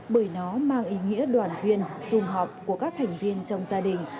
bởi nó mang ý nghĩa đoàn viên xung họp của các thành viên trong gia đình